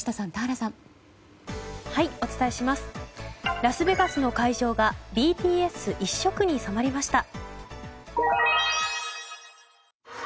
ラスベガスの会場がＢＴＳ一色に染まりました。